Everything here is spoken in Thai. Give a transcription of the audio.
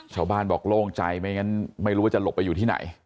ชาวบ้านบอกโล่งใจไม่งั้นไม่รู้ว่าจะหลบไปอยู่ที่ไหน